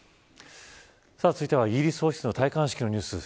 続いてはイギリス王室の戴冠式のニュース。